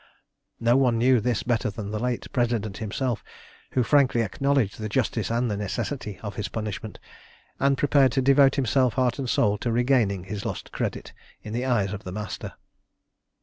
No one knew this better than the late President himself, who frankly acknowledged the justice and the necessity of his punishment, and prepared to devote himself heart and soul to regaining his lost credit in the eyes of the Master.